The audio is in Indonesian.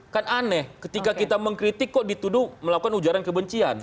kan aneh ketika kita mengkritik kok dituduh melakukan ujaran kebencian